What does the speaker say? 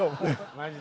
マジで。